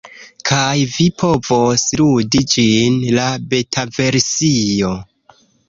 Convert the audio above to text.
kaj vi povos ludi ĝin, la betaversio